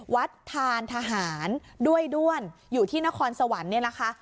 วัดทานทหารด้วยด้วนอยู่ที่นครสวรรค์เนี่ยนะคะ